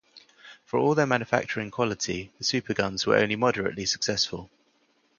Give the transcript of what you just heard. For all their manufacturing quality the superguns were only moderately successful.